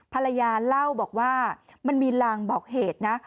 ภรรยาเล่าบอกว่ามันมีลางบอกเหตุนะ